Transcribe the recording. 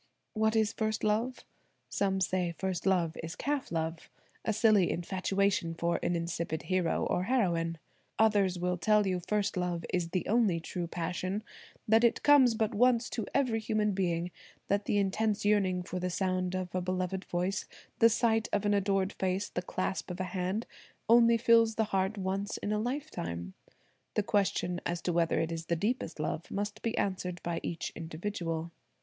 What is first love? Some say first love is "calf love," a silly infatuation for an insipid hero or heroine. Others will tell you first love is the only true passion; that it comes but once to every human being; that the intense yearning for the sound of a beloved voice, the sight of an adored face, the clasp of a hand, only fills the heart once in a lifetime. The question as to whether it is the deepest love must be answered by each individual.